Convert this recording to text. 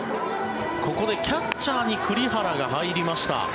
ここでキャッチャーに栗原が入りました。